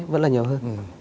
vẫn là nhiều hơn